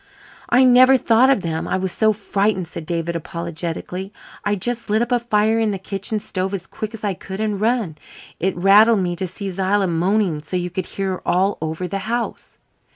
"I never thought of them, I was so frightened," said David apologetically. "I just lit up a fire in the kitchen stove as quick's I could and run. It rattled me to hear Zillah moaning so's you could hear her all over the house."